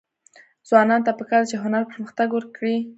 ځوانانو ته پکار ده چې، هنر پرمختګ ورکړي.